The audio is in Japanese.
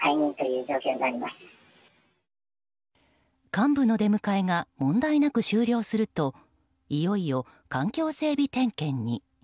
幹部の出迎えが問題なく終了するといよいよ環境整備点検に。